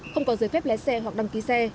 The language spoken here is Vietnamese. không có giới phép lé xe hoặc đăng ký xe